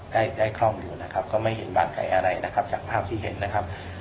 ได้ได้คล่องอยู่นะครับก็ไม่เห็นบาดแผลอะไรนะครับจากภาพที่เห็นนะครับ